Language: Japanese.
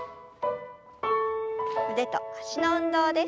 腕と脚の運動です。